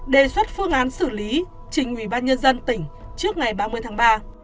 đề xuất phương án xử lý trình ủy ban nhân dân tỉnh trước ngày ba mươi tháng ba